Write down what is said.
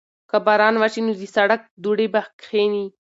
که باران وشي نو د سړک دوړې به کښېني.